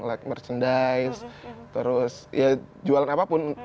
like merchandise terus ya jualan apapun